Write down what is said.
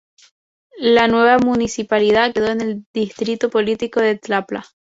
La nueva municipalidad quedó en el Distrito político de Tlapa.